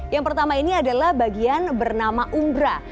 yang pertama ini adalah bagian bernama umbra